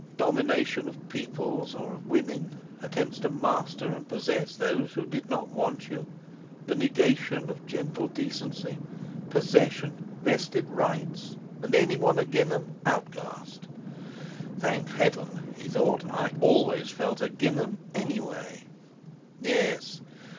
Domination of peoples or of women! Attempts to master and possess those who did not want you! The negation of gentle decency! Possession, vested rights; and anyone 'agin' 'em—outcast! "Thank Heaven!" he thought, "I always felt 'agin' 'em, anyway!" Yes!